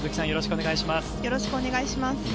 よろしくお願いします。